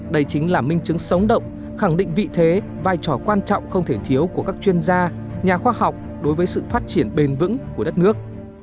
đây chính là minh chứng sống động khẳng định vị thế vai trò quan trọng không thể thiếu của các chuyên gia nhà khoa học đối với sự phát triển bền vững của đất nước